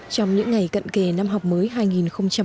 trong những ngày cận kề năm học mới hai nghìn một mươi bảy